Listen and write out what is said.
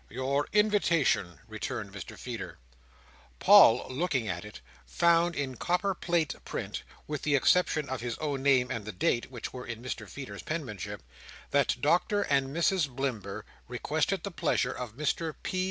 "Your invitation," returned Mr Feeder. Paul, looking at it, found, in copper plate print, with the exception of his own name and the date, which were in Mr Feeder's penmanship, that Doctor and Mrs Blimber requested the pleasure of Mr P.